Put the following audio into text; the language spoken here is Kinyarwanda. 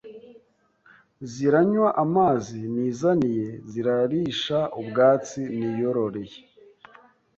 Ziranywa amazi nizaniye zirarisha ubwatsi niyororeye